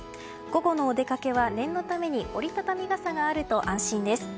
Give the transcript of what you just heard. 午後のお出掛けは念のために折り畳み傘があると安心です。